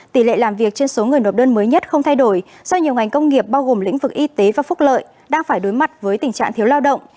tỷ lệ làm việc trên số người nộp đơn mới nhất không thay đổi do nhiều ngành công nghiệp bao gồm lĩnh vực y tế và phúc lợi đang phải đối mặt với tình trạng thiếu lao động